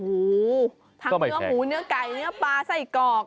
โอ้โหทั้งเนื้อหมูเนื้อไก่เนื้อปลาไส้กรอก